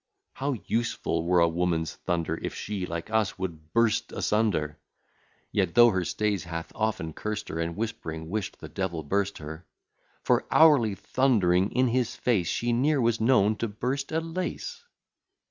[How useful were a woman's thunder, If she, like us, would burst asunder! Yet, though her stays hath often cursed her, And, whisp'ring, wish'd the devil burst her: For hourly thund'ring in his face, She ne'er was known to burst a lace.